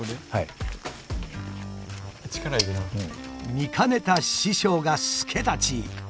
見かねた師匠が助太刀。